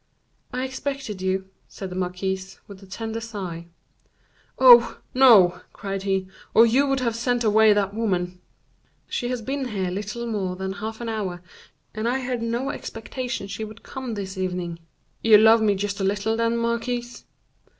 "I expected you," said the marquise, with a tender sigh. "Oh! no," cried he, "or you would have sent away that woman." "She has been here little more than half an hour, and I had no expectation she would come this evening." "You love me just a little, then, marquise?"